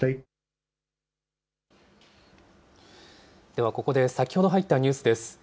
ではここで、先ほど入ったニュースです。